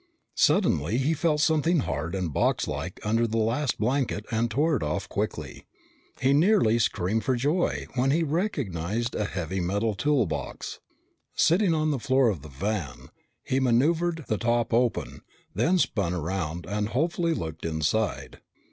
Suddenly he felt something hard and boxlike under the last blanket and he tore it off quickly. He nearly screamed for joy when he recognized a heavy metal toolbox. Sitting on the floor of the van, he maneuvered the top open, then spun around and hopefully looked inside.